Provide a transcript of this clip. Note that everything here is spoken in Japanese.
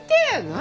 何？